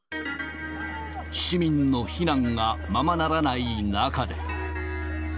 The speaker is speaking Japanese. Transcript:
市民の避難がままならない中で。